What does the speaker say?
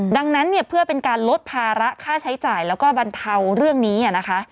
ดังนั้นเนี่ยเพื่อเป็นการลดภาระค่าใช้จ่ายแล้วก็บรรเทาเรื่องนี้นะคะ